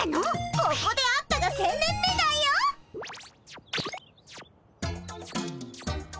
ここで会ったが１，０００年目だよっ！